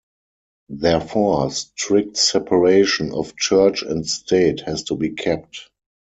Therefore, strict separation of church and state has to be kept.